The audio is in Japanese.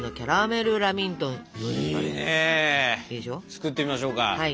作ってみましょうか。